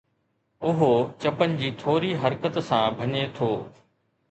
اهو چپن جي ٿوري حرڪت سان ڀڃي ٿو